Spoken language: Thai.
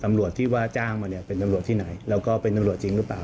ตำรวจที่ว่าจ้างมาเนี่ยเป็นตำรวจที่ไหนแล้วก็เป็นตำรวจจริงหรือเปล่า